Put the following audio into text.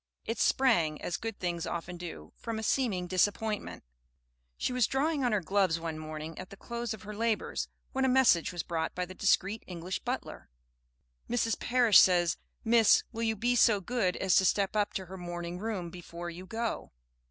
It sprang, as good things often do, from a seeming disappointment. She was drawing on her gloves one morning at the close of her labors, when a message was brought by the discreet English butler. "Mrs. Parish says, Miss, will you be so good as to step up to her morning room before you go."